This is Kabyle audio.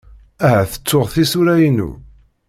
Ahat ttuɣ tisura-inu.